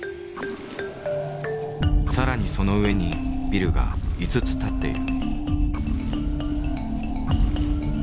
更にその上にビルが５つ建っている。